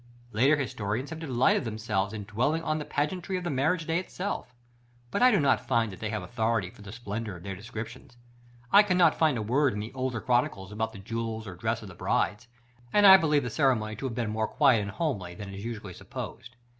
§ VIII. Later historians have delighted themselves in dwelling on the pageantry of the marriage day itself, but I do not find that they have authority for the splendor of their descriptions. I cannot find a word in the older Chronicles about the jewels or dress of the brides, and I believe the ceremony to have been more quiet and homely than is usually supposed.